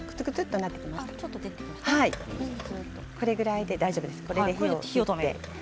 これぐらいで大丈夫です。